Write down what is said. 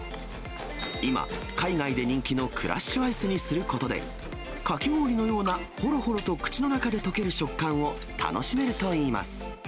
今、海外で人気のクラッシュアイスにすることで、かき氷のような、ほろほろと口の中でとける食感を楽しめるといいます。